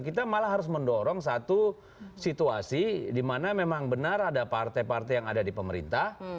kita malah harus mendorong satu situasi di mana memang benar ada partai partai yang ada di pemerintah